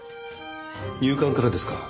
入管からですか？